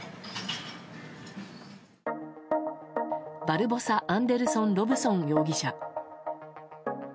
バルボサ・アンデルソン・ロブソン容疑者。